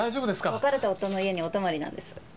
別れた夫の家にお泊まりなんです。